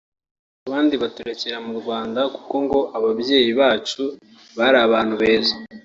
abandi baturekera mu Rwanda kuko ngo ababyeyi bacu bari abantu beza